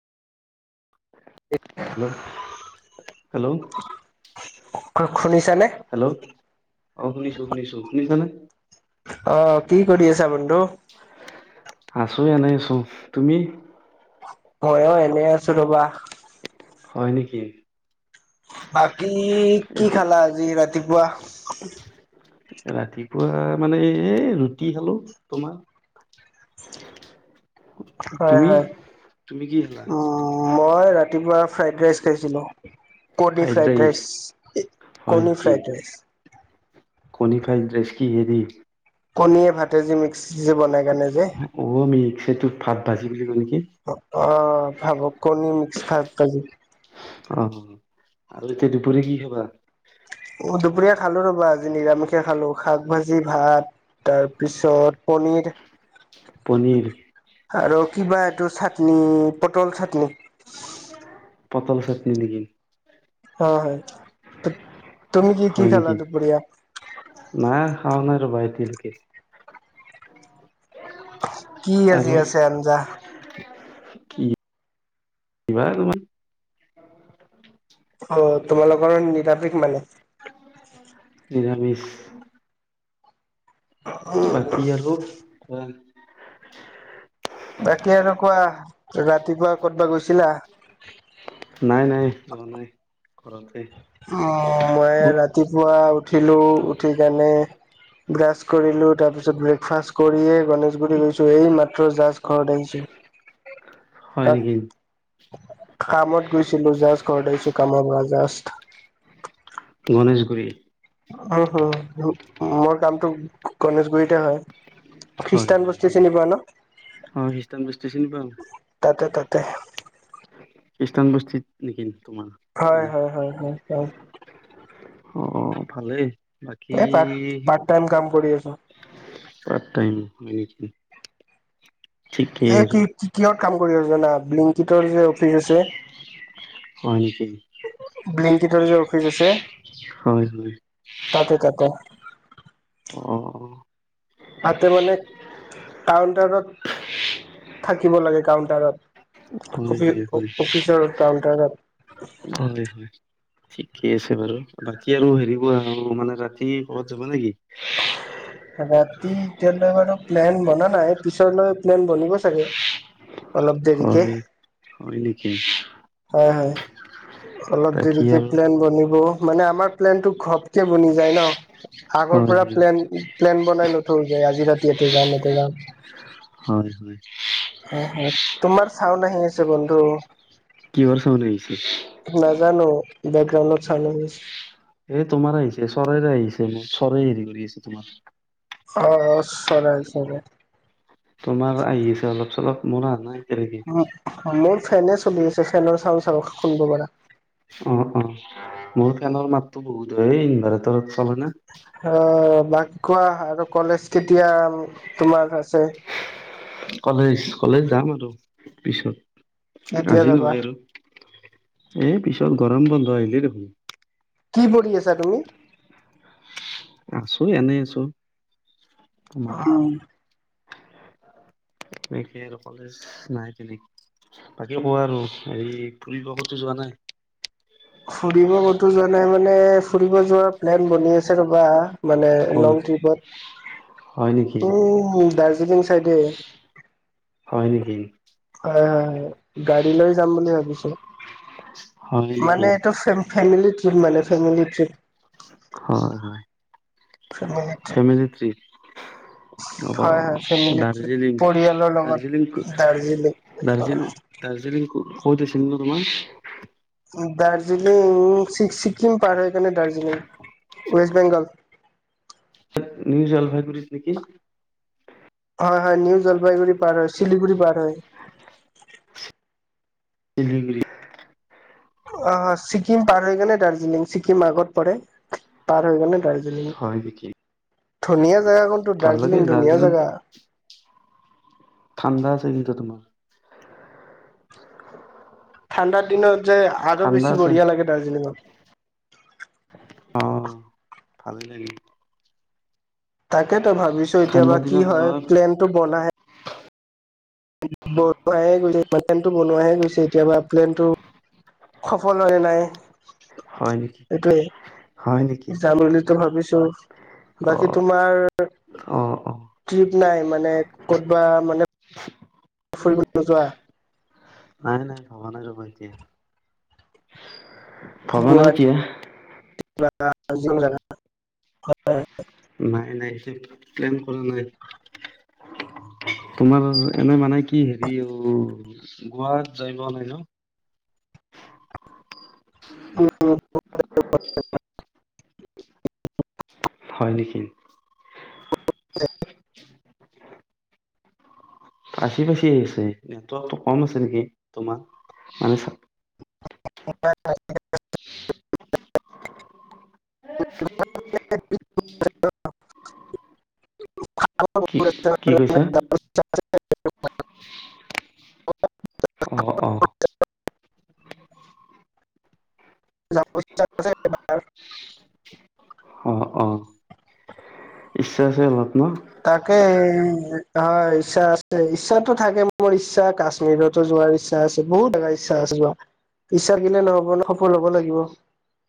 Hello? Hello? খুনি hello, ' অ শুনিছো শুনিছো শুনিছানে? [inaudible] অহ, কি কৰি আছা বন্ধু? আছো এনেই আছো, তুমি? ময়ো এনেই আছো ৰ'বা। হয় নিকি। বা কি কি খালা আজি ৰাতিপুৱা? ৰাতিপুৱা মানে এ ৰুটি খালো। তোমাৰ? হয় তুমি হয় তুমি কি খালা? উম। মই ৰাতিপুৱা ফ্ৰাইড ৰাইচ খাইছিলোঁ। কণী ফ্ৰাইড ৰাইচ, হয় কণী নেকি ফ্ৰাইড ৰাইচ। কণী ফ্ৰাইড ৰাইচ কি হেৰী? কণীয়ে ভাত। তে যে মিক্স, যে বনাই কেনে যে? টোত ভাত ভাজি বুলি ক'লি অ ভাৱক কণী মিক্স। থাকা যে। [unintelligible] অ আৰু এতিয়া দুপৰীয়া কি খাবা? দুপৰীয়া খালো ৰ'বা আজি নিৰামিষে খালো, শাক ভাজি ভাত তাৰপিছত পনীৰ। পনীৰ? আৰু কিবা এইটো চাটনি, পটল চাটনি। পতল চাটনি নেকি? হয়-হয়, তুমি কি-কি হয় খালা দুপৰীয়া? শুন আৰু ভাইতিৰ কেচ। [unintelligible] কি আজি আৰু আছে আঞ্জা? [unintelligible] অ তোমালোকৰ নিৰামিষ মানে? নিৰামিছ। বাকী আৰু? কুৱা? বাকী আৰু কোৱা? ৰাতিপুৱা কতবা গৈছিলা? নাই-নাই, যোৱা নাই ঘৰতে। অহ মই অ ৰাতিপুৱা উঠিলো, উঠি কানে ব্ৰাচ কৰিলো, তাৰপিছত ব্ৰেকফাষ্ট কৰিয়ে গণেশগুৰি গৈছো। এই মাত্ৰ জাষ্ট ঘৰত আহিছো। হয় নেকি কাক? কামত গৈছিলো, জাজ ঘৰত আহিছো, কামৰ পৰা জাষ্ট। গণেশগুৰি? উম হুম, মোৰ কামটো গণেশগুৰিতে হয়। হয় খ্ৰীষ্টান হয় বস্তি হয় চিনি পোৱা অ খ্ৰীষ্টান বস্তি চিনি পাওঁ ন? তাতে-তাতে। খ্ৰীষ্টানবস্তিত নেকিন? হয়-হয়-হয়-হয়-হয়। অ ভালেই। বাকী এই পাৰট পাত টাইম কাম কৰি আছো। ত পাৰ্ট টাইম হয় নেকি? এ ঠিকেই কি আৰু কি কিহৰ কাম কৰি আছ। কিমান টকাত ব্লিংকিটৰ যে অফিচ আছে হয় নেকি ব্লিংকটৰ যে অফিচ আছে হয় হয় তাতে তাতে। অ তাতে মানে কাউন্টাৰত থাকিব লাগে কাউন্টাৰত। হয় হয় হয় অফ অফিচৰ হয় কাউণ্টাৰত। হয় ঠিকে আছে বাৰু বাকী আৰু হেৰিবোৱা আৰু মানে ৰাতি ক'ত যাবা নেকি? ৰাতি এতিয়ালৈ বাৰু প্লেন বনা নাই পিছলৈ প্লেন বনিব চাগে। অলপ দেৰিকে হয় হয় নেকি? হয় হয় অলপ বাকী দেৰিকে আৰু প্লেন বনিব মানে আমাৰ প্লেনটো। দুখত বুনি যায় ন আগৰ পৰা হয় প্লেন প্লেন বনাই নথৈ যায় আজি ৰাতি ইয়াতে যাওঁ নতে যাওঁ। হয় হয় হয়। অ তোমাৰ চাউন্দ আহি আছে বন্ধু। কিহৰ চাউণ্ড আহিছে নাজানো বেকগ্ৰাউণ্ডত চাব লাগিছে। এ তোমাৰ আহিছে চৰাইৰে আহিছে মই চৰাই হেৰি কৰি আছে তোমাৰ। অ চৰা চৰাৰ। তোমাৰ আহি আছে অলপ চলপ মন নাই। এতিয়ালৈকে উ মোৰ ফেনে চলি আছে ফেনৰ চাউড চাউ শুনব পৰা। অ অ মোৰ ফেনৰ মাততো বহুত হয় ইনভেতৰ। হ'ব না। বাক কোৱা আৰু কলেজ কেতিয়া তোমাৰ আছে? কলেজ কলেজ যাম আৰু পিছত। কেতিয়া আজি যাবা নহয় আৰু এ পিছত গৰম বন্ধ আহিলেই দেখোন। কি পঢ়ি আছা তুমি? আছো এনেই আছো। অ একে আৰু কলে নাই পিনি বাকি কোৱা আৰু হে ফৰিব কত যোৱা নাই। ফুৰিব ক'তো যোৱা নাই মানে। মানে ফুৰিব যোৱাৰ প্লেন বনি আছে ৰ'বা। মানে ক'ত লং হয় নেকি ট্ৰিপত উম দাজ। কি কৰিছা। তাকে হয় নেকি? হয় হয় গাড়ী লৈ যাম বুলি ভাবিছো। হয় নেকি মানে এইটো ফেমিলি ট্ৰিপ মানে ফেমিলি ট্ৰিপ। হয় হয় ফেমিলি ট্ৰিপ ফেমিলি থ্ৰ্ৰীপ। হ'ব হয় হয় ফেমিলি ট্ৰিপ দাৰ্জিলিং, পৰিয়ালৰ লগত দাৰ্জিলিং দাৰ্জিলিং দ্জিলং দাৰ্জিলিং ক। ক'ত আছিল ন তোমাৰ। দাৰ্জিলিং। ছিকিম পাৰ। সেইফালে দাৰ্জিলিং, ৱেষ্ট বেংগল। নিউ জলফাইগুৰি নেকি। হয় হয়, নিউ জলপাইগুৰি পাৰ হয় শিলিগুৰি পাৰ হয়। চিলিগুৰি। অ, ছিকিম পাৰ হৈ গলে ন দাৰ্জিলিং ছিকিম আগত পৰে। পাৰ হৈ গৈ কেনে দাৰ্জিলিং। হয় নেকি ধুনীয়া। জেগা, কোনটো ভাল লাগে দাৰ্জিলিং ধুনীয়া জেগা। ঠাণ্ডা আছে কি তোমাৰ। ঠাণ্ডাৰ দিনত। ঠাণ্ডা আছে [unintelligible] অ ভালেই লাগে। তাকেতো ভাবিছো ঠাণ্ডা এতিয়াবা কি দিনত হয় যোৱা প্লেনটো বনাহে। বনোৱে গৈছে পলেনটো বনোৱাহে গৈছে এতিয়াবা প্লেনটো সফল হয় নাই। হয় নেকি হয় নেকি এইটোৱে জানো। ভাবিছো। অ বাকী তোমাৰ অ অ ট্ৰিপ নাই মানে ক'তবা মানে। ফুৰিব নোযোৱা। নাই নাই ভবা নাই বাৰু এতিয়া। ভবা নাই কিয়? জ জ হয় [unintelligible] নাই নাই। কৰা নাই, তোমাৰ এনে মানে কি হেৰি অ গোৱাত যাই পোৱা নাই ন। উ [unintelligible] [unintelligible] হয় নেকি! হয়। পচি পাচি আহ আছে নেটৱৰ্কটো কম আছে নেকি তোমাৰ মানে। [unintelligible] [inaudible] [unintelligible] [unintelligible] কি কি কৈছা [unintelligible] অ অ এবাৰ অ অ ইচ্ছা আছে অলপ মান তাকে হয় ইচ্ছা আছে ইচ্ছাতো থাকে মোৰ ইচ্ছা কাশ্মীৰতো যোৱাৰ ইচ্ছা আছে বহুত জাগা ইচ্ছা আছে যোৱা ইচ্ছা থাকিলে নহ'ব সফল হব লাগিব।